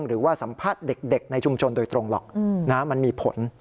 หรือว่าสัมภาษณ์เด็กในชุมชนโดยตรงหรอกมันมีผล